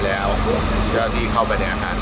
เพราะว่าเมืองนี้จะเป็นที่สุดท้าย